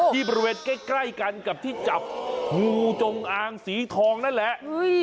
บริเวณใกล้กันกับที่จับงูจงอางสีทองนั่นแหละ